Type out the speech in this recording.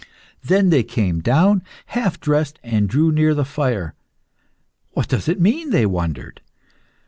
Then they came down, half dressed, and drew near the fire. "What does it mean?" they wondered.